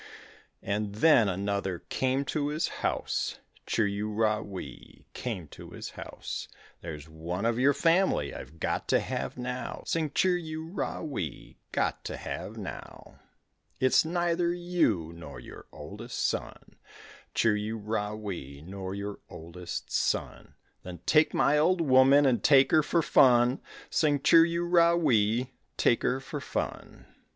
And then another came to his house, Chir u ra wee, came to his house; "There's one of your family I've got to have now, Sing chir u ra wee, got to have now. "It's neither you nor your oldest son, Chir u ra wee, nor your oldest son." "Then take my old woman and take her for fun, Sing chir u ra wee, take her for fun."